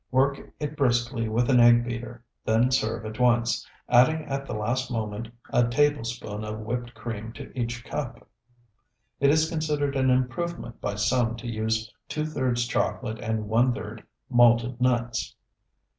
Work it briskly with an egg beater, then serve at once, adding at the last moment a tablespoonful of whipped cream to each cup. It is considered an improvement by some to use two thirds chocolate and one third malted nuts.